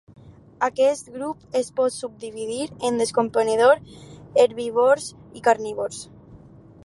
Aquest grup es pot subdividir en descomponedor, herbívors i carnívors.